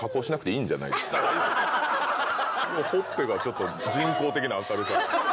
ほっぺがちょっと人工的な明るさ。